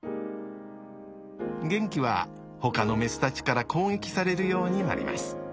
ゲンキはほかのメスたちから攻撃されるようになります。